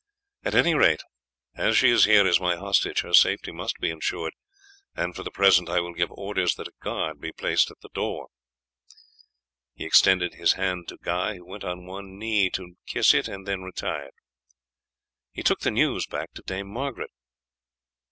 At any rate, as she is here as my hostage her safety must be ensured, and for the present I will give orders that a guard be placed at the house." He extended his hand to Guy, who went on one knee to kiss it and then retired. He took the news back to Dame Margaret.